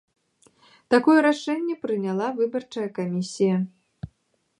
Такое рашэнне прыняла выбарчая камісія.